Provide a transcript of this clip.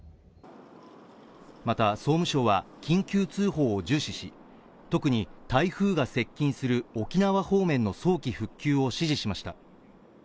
また、総務省は緊急通報を重視し、特に台風が接近する沖縄方面の早期復旧を指示しました。